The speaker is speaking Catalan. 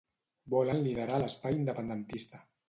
Volen liderar l'espai independentista.